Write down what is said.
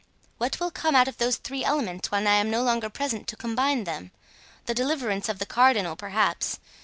What will come out of those three elements when I am no longer present to combine them? The deliverance of the cardinal, perhaps.